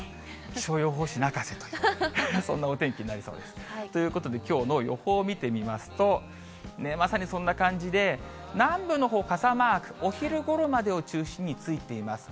気象予報士泣かせという、そんなお天気になりそうですね。ということで、きょうの予報を見てみますと、まさにそんな感じで、南部のほう、傘マーク、お昼ごろまでを中心についています。